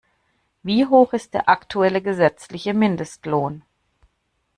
Wie hoch ist der aktuelle gesetzliche Mindestlohn?